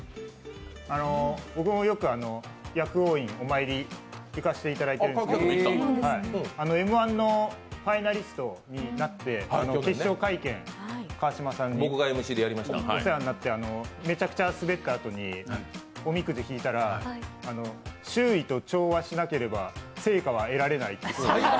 僕も薬王院、よくお参りにいかせてもらってるんですけどＭ−１のファイナリストになって決勝会見、川島さんにお世話になってめちゃくちゃスベったあとに、おみくじ引いたら、「周囲と調和しなければ成果は得られない」って。